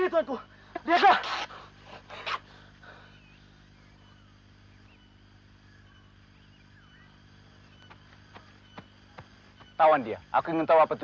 seluruh keluarga saya seluruh tuanku